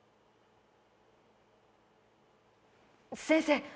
先生！